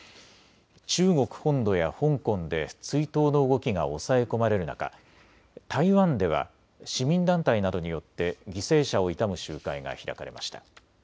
中国本土や香港で追悼の動きが抑え込まれる中、台湾では市民団体などによって犠牲者を悼む集会が開かれました。